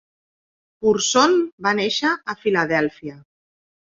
Curson va néixer a Filadèlfia.